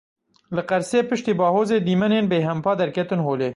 Li Qersê piştî bahozê dîmenên bêhempa derketin holê.